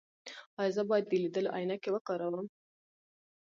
ایا زه باید د لیدلو عینکې وکاروم؟